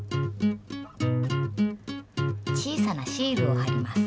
小さなシールをはります。